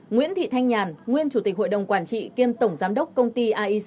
nguyễn thị thanh nhàn nguyên chủ tịch hội đồng quản trị kiêm tổng giám đốc công ty aic